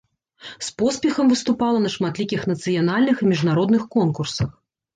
З поспехам выступала на шматлікіх нацыянальных і міжнародных конкурсах.